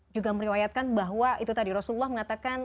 juga meriwayatkan bahwa itu tadi rasulullah mengatakan